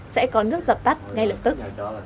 sẽ có nước dập tắt ngay lập tức